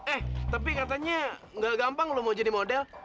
eh tapi katanya nggak gampang loh mau jadi model